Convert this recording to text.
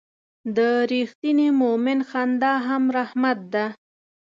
د رښتیني مؤمن خندا هم رحمت ده.